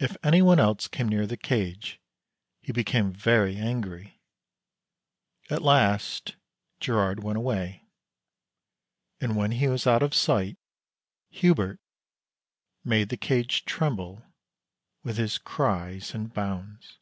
If anyone else came near the cage he became very angry. At last Girard went away, and when he was out of sight Hubert made the cage tremble with his cries and bounds.